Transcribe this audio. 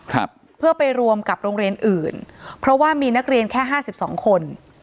ครับเพื่อไปรวมกับโรงเรียนอื่นเพราะว่ามีนักเรียนแค่ห้าสิบสองคน